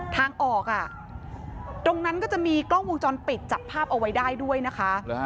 ทางออกตรงนั้นก็จะมีกล้องวงจรปิดจับภาพเอาไว้ได้ด้วยนะคะ